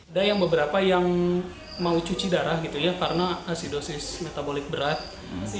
ada yang beberapa yang mau cuci darah gitu ya karena sidosis metabolik berat